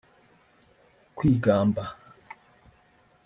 kwigamba